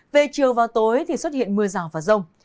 về chiều và tối thì xuất hiện mưa rào và rông